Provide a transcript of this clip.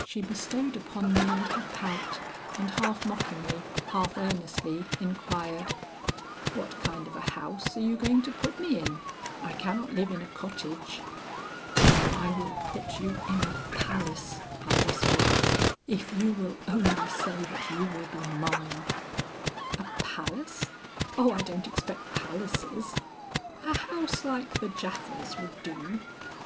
"She bestowed upon me a little pout, and half mockingly, half earnestly inquired, 'What kind of a house are you going to put me in? I cannot live in a cottage.' "'I will put you in a palace,' I whispered, 'if you will only say that you will be mine.' "'A palace! Oh, I don't expect palaces; a house like the Japhas' would do.